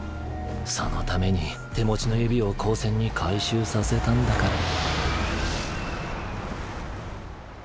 そのために手持ちの指を高専に回収させたんだから。